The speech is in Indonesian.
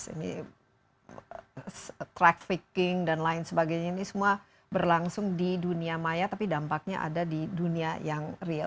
ini trafficking dan lain sebagainya ini semua berlangsung di dunia maya tapi dampaknya ada di dunia yang real